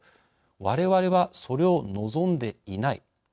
われわれはそれを望んでいない。